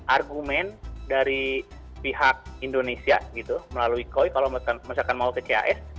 argumen dari pihak indonesia gitu melalui koi kalau misalkan mau ke cas